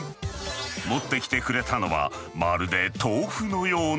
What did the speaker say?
持って来てくれたのはまるで豆腐のようなロボット。